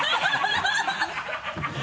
ハハハ